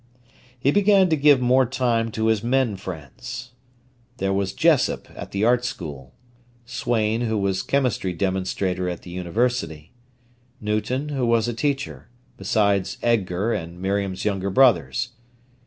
He began to give more time to his men friends. There was Jessop, at the Art School; Swain, who was chemistry demonstrator at the university; Newton, who was a teacher; besides Edgar and Miriam's younger brothers.